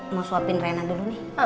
mau swapin rena dulu nih